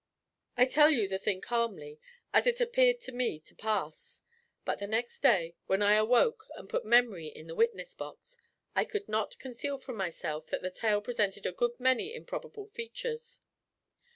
I tell you the thing calmly, as it appeared to me to pass; but the next day, when I awoke and put memory in the witness box, I could not conceal from myself that the tale presented a good many improbable features.